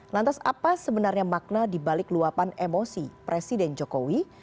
lantas apa sebenarnya makna dibalik luapan emosi presiden jokowi